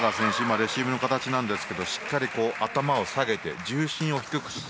レシーブの形なんですけどしっかり頭を下げて重心を低くして。